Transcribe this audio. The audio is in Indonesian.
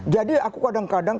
jadi aku kadang kadang